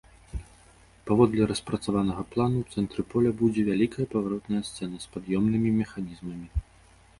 Паводле распрацаванага плану, у цэнтры поля будзе вялікая паваротная сцэна з пад'ёмнымі механізмамі.